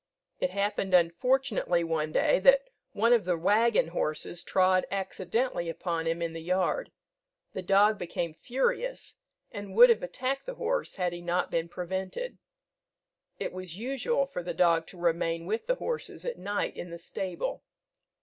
It happened unfortunately one day, that one of the waggon horses trod accidentally upon him in the yard. The dog became furious, and would have attacked the horse had he not been prevented. It was usual for the dog to remain with the horses at night in the stable.